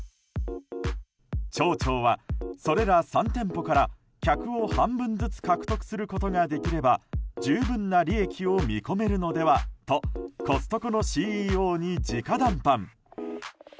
町長は、それら３店舗から客を半分ずつ獲得することができれば十分な利益を見込めるのではとコストコのＣＥＯに直談判。